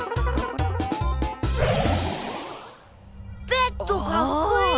ベッドかっこいい！